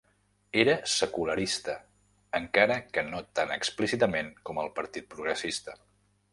Era secularista, encara que no tan explícitament com el Partit Progressista.